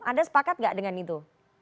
anda sepakat gak dengan itu